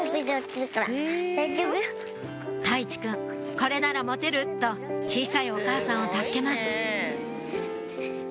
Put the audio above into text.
「これなら持てる」と小さいお母さんを助けます